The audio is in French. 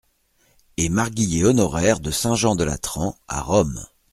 Et marguillier honoraire de Saint-Jean-de-Latran… à Rome !